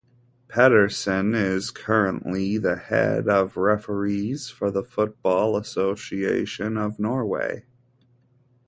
Pedersen is currently the Head of Referees for the Football Association of Norway.